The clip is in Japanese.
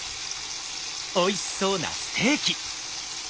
おいしそうなステーキ？